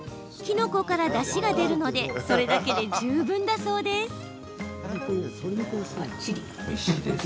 きのこから、だしが出るのでそれだけで十分だそうです。